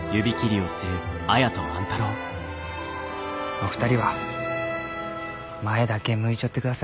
お二人は前だけ向いちょってください。